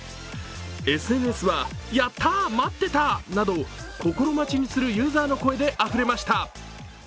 ＳＮＳは、やったー、待ってたなど心待ちにするユーザーの声であふれました。